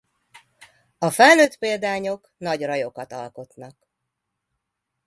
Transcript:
A felnőtt példányok nagy rajokat alkotnak.